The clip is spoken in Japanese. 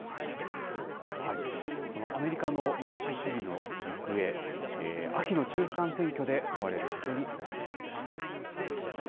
そのアメリカの民主主義の行方、秋の中間選挙で問われることになりそうです。